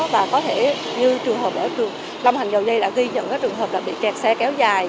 và có thể như trường hợp ở lâm hành dầu dây đã ghi nhận các trường hợp đã bị kẹt xe kéo dài